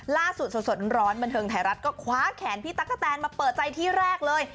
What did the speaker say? สดร้อนบันเทิงไทยรัฐก็คว้าแขนพี่ตั๊กกะแตนมาเปิดใจที่แรกเลย